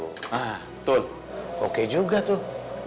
hah betul oke juga tuh